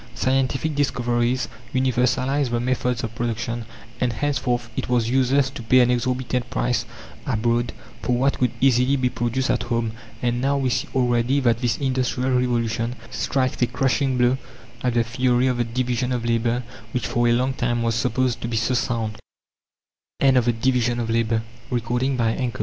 Scientific discoveries universalized the methods of production, and henceforth it was useless to pay an exorbitant price abroad for what could easily be produced at home. And now we see already that this industrial revolution strikes a crushing blow at the theory of the division of labour which for a long time was supposed to be so soun